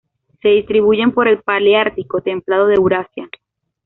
Se distribuyen por el paleártico templado de Eurasia.